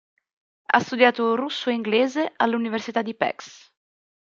Ha studiato russo e inglese all'Università di Pécs.